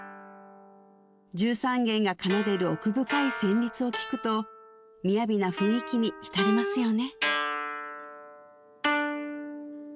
１３弦が奏でる奥深い旋律を聴くとみやびな雰囲気に浸りますよね